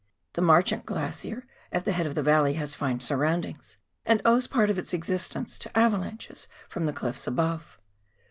The Marchant Glacier at the head of the valley has fine surroundings, and owes part of its existence to ava lanches from the clifPs above.